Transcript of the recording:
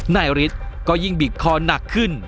นายฤทธิ์ก็ยิ่งบีบคอหนักขึ้น